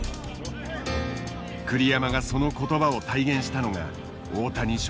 栗山がその言葉を体現したのが大谷翔平との歩みだ。